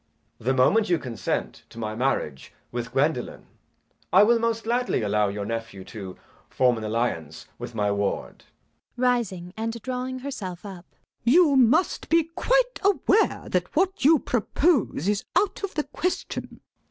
The moment you consent to my marriage with Gwendolen, I will most gladly allow your nephew to form an alliance with my ward. LADY BRACKNELL. [Rising and drawing herself up.] You must be quite aware that what you propose is out of the question.